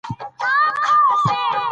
هغه په لاس کې امسا نیولې وه.